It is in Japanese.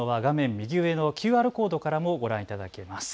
右上のＱＲコードからもご覧いただけます。